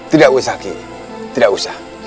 tidak usah aki tidak usah